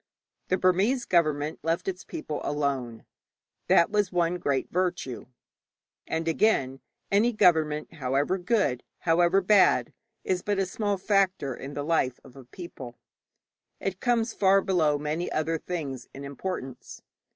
The Burmese government left its people alone; that was one great virtue. And, again, any government, however good, however bad, is but a small factor in the life of a people; it comes far below many other things in importance.